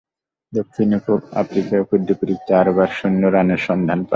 দক্ষিণ আফ্রিকায় উপর্যুপরী চারবার শূন্য রানের সন্ধান পান।